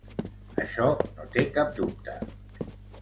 Això no té cap dubte.